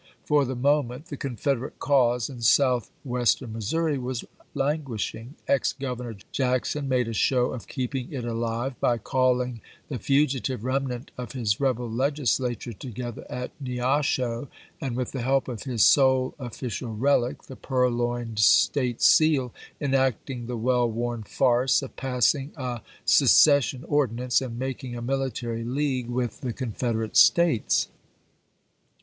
For the moment the Confederate cause in South western Missouri was languishing. Ex Governor Jackson made a show of keeping it alive by calling the fugitive remnant of his rebel Legislature to gether at Neosho, and with the help of his sole official relic — the purloined State Seal — enacting the well worn farce of passing a secession ordi nance, and making a military league with the Con federate States.